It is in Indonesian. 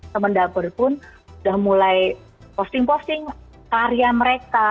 teman dapur pun sudah mulai posting posting karya mereka